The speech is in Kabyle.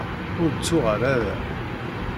Ur d-tuɣal ara.